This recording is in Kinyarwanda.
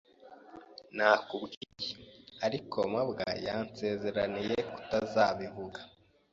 Nakubwiye, ariko mabwa yansezeranije kutazabivuga.